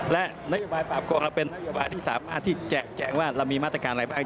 และนโยบายปราบโกงเราเป็นนโยบายที่สามารถที่แจงว่าเรามีมาตรการอะไรบ้าง